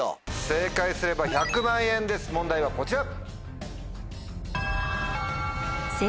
正解すれば１００万円です問題はこちら。